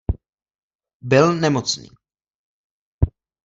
Byl nemocný.